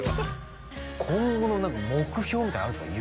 今後の目標みたいなのあるんですか？